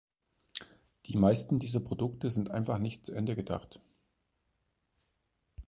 Die meisten dieser Produkte sind einfach nicht zu Ende gedacht.